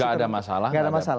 gak ada masalah